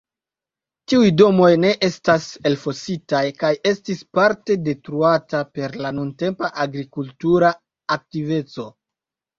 Tiuj domoj ne estas elfositaj kaj estis parte detruata per la nuntempa agrikultura aktiveco.